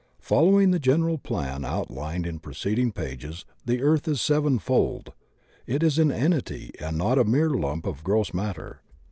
Following the general plan outlined in preceding pages, the Earth is sevenfold. It is an entity and not a mere lump of gross matter.